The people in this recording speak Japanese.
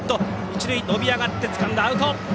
一塁、伸び上がってつかんでアウト！